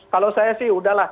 kalau saya sih udahlah